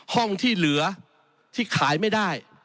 ห้องที่เหลือที่ขายไม่ได้